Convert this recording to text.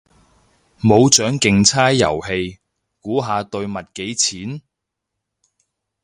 冇獎競猜遊戲，估下對襪幾錢？